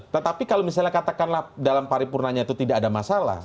tetapi kalau misalnya katakanlah dalam paripurnanya itu tidak ada masalah